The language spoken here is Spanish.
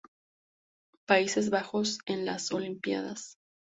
Países Bajos en las Olimpíadas